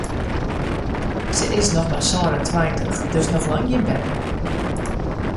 Se is noch mar sân en tweintich, dus noch lang gjin beppe.